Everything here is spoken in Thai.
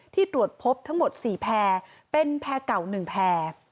ที่ตรวจพบทั้งหมด๔แผนเป็นแผนเก่า๑แผน